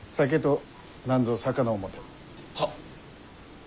はっ。